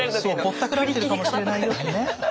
ぼったくられてるかもしれないよってね。